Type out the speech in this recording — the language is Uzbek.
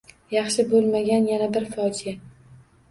Yaxshi bo'lmagan yana bir fojia